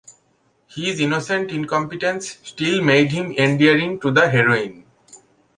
His innocent incompetence still made him endearing to the heroine.